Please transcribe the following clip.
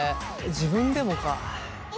自分でもか。